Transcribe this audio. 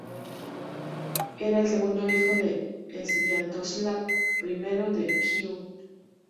Era el segundo hijo de Sviatoslav I de Kiev.